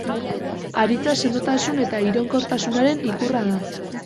Haritza sendotasun eta iraunkortasunaren ikurra da.